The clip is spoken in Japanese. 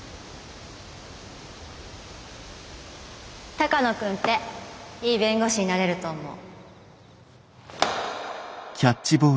鷹野君っていい弁護士になれると思う。